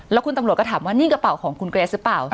แล้วคุณตำรวจก็ถามว่านี่กระเป๋าของคุณเกรสหรือเปล่า